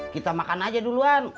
kita makan aja duluan